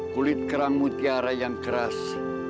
kulit kerang mutiara yang keras